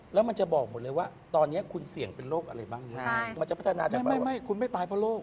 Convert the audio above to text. แล้วมันจะบอกหมดเลยว่าตอนนี้คุณเสี่ยงเป็นโรคอะไรบ้างเนี่ย